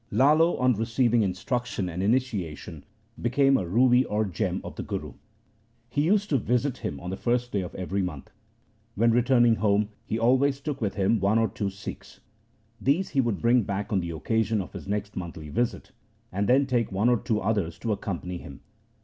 Lalo on receiving instruction and initiation became a ruby or gem of the Guru. He used to visit him on the first day of every month. When returning home he always took with him one or two Sikhs. These he would bring back on the occasion of his next monthly visit, and then take one or two others to accompany him.